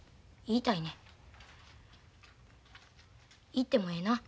行ってもええな？